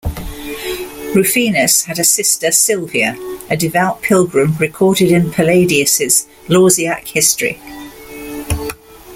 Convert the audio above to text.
Rufinus had a sister, Silvia, a devout pilgrim recorded in Palladius' "Lausiac History".